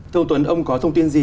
thưa ông tuấn ông có thông tin gì